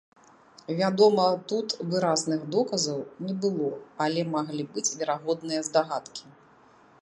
Вядома, тут выразных доказаў не было, але маглі быць верагодныя здагадкі.